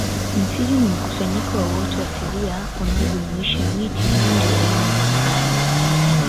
Msitu ni mkusanyiko wa uoto asilia unaojumuisha miti mingi ya aina mbalimbali